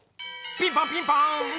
ピンポンピンポン！